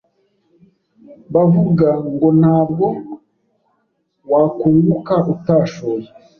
bavuga ngo ntabwo wakunguka utashoye